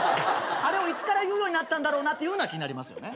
あれをいつから言うようになったんだろうなっていうのは気になりますよね。